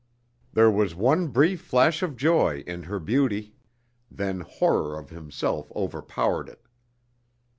There was one brief flash of joy in her beauty; then horror of himself overpowered it.